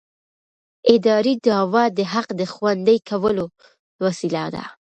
اداري دعوه د حق د خوندي کولو وسیله ده.